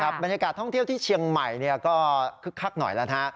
บรรยากาศท่องเที่ยวที่เชียงใหม่ก็คึกคักหน่อยแล้วนะฮะ